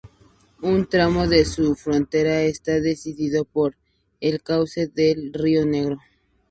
Un tramo de su frontera está definido por el cauce del río Negro.